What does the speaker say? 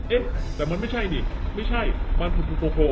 เอ๊ะแต่มันไม่ใช่นี่ไม่ใช่มันคือตัวโพล